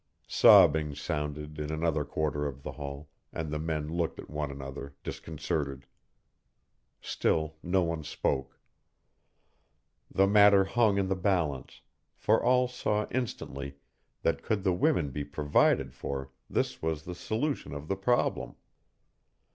Sobbing sounded in another quarter of the hall, and the men looked at one another, disconcerted. Still no one spoke. The matter hung in the balance, for all saw instantly that could the women be provided for this was the solution of the problem.